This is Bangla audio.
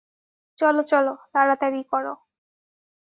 চলো, চলো, তাড়াতাড়ি করো।